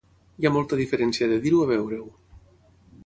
Hi ha molta diferència de dir-ho a veure-ho.